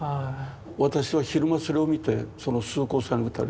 私は昼間それを見てその崇高さに打たれて。